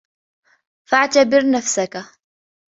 فَاعْتَبِرْ نَفْسَك